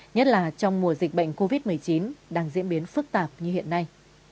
nhất là trong mùa dịch bệnh covid một mươi chín đang diễn biến phức tạp như hiện nay